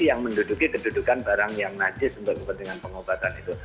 yang menduduki kedudukan barang yang najis untuk kepentingan pengobatan itu